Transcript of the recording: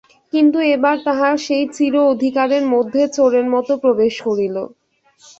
কিন্তু এবার তাহার সেই চির অধিকারের মধ্যে চোরের মতো প্রবেশ করিল।